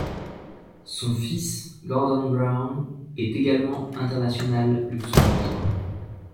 Son fils, Gordon Braun, est également international luxembourgeois.